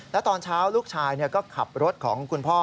แล้วตอนเช้าลูกชายก็ขับรถของคุณพ่อ